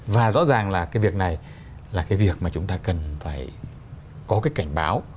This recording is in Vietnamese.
và rõ ràng là cái việc này là cái việc mà chúng ta cần phải có cái cảnh báo